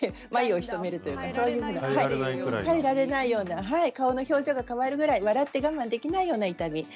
眉をひそめるというか耐えられないような顔の表情が変わるぐらい、笑って我慢できないぐらいの痛み